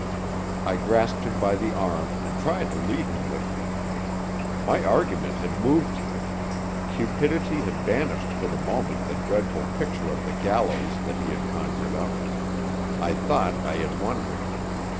I grasped him by the arm and tried to lead him with me. My argument had moved him; cupidity had banished for the moment the dreadful picture of the gallows that he had conjured up. I thought I had won him.